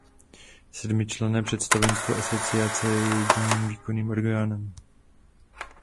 Sedmičlenné představenstvo asociace je jejím výkonným orgánem.